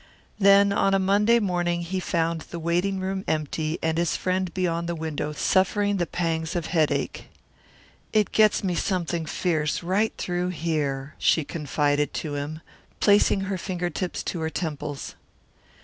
Then on a Monday morning he found the waiting room empty and his friend beyond the window suffering the pangs of headache. "It gets me something fierce right through here," she confided to him, placing her finger tips to her temples.